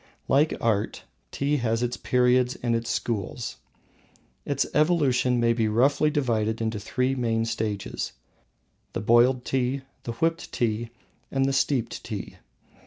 Like Art, Tea has its periods and its schools. Its evolution may be roughly divided into three main stages: the Boiled Tea, the Whipped Tea, and the Steeped Tea.